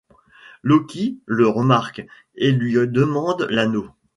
Loki le remarque et lui demande l'anneau.